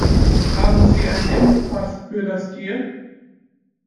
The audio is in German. Haben Sie einen Impfpass für das Tier?